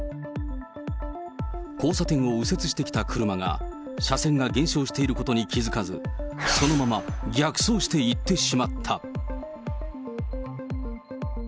交差点を右折してきた車が、車線が減少していることに気付かず、そのまま逆走して行ってしまった。